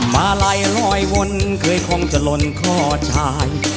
มาไหล่รอยวนเคยคงจะหล่นข้อชาย